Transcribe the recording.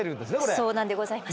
そうなんでございます。